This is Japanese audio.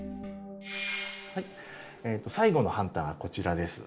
はい最後のハンターがこちらです。